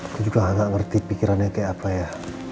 aku juga gak ngerti pikirannya kayak apa ya